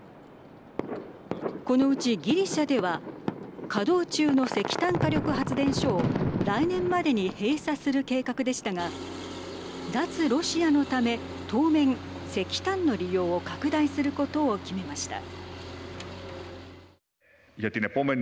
このうちギリシャでは稼働中の石炭火力発電所を来年までに閉鎖する計画でしたが脱ロシアのため当面石炭の利用を拡大することを決めました。